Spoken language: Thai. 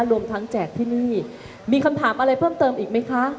รวมทั้งแจกที่นี่มีคำถามอะไรเพิ่มเติมอีกไหมคะ